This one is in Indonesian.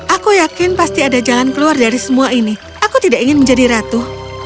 aku yakin pasti ada jalan keluar dari semua ini aku tidak ingin menjadi ratu